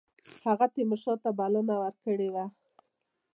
هغه تیمورشاه ته بلنه ورکړې وه.